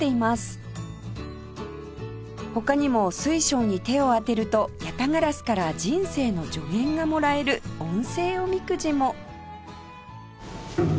他にも水晶に手を当てると八咫烏から人生の助言がもらえる音声おみくじも